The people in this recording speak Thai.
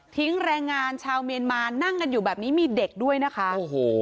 แรงงานชาวเมียนมานั่งกันอยู่แบบนี้มีเด็กด้วยนะคะโอ้โห